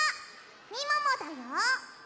みももだよ！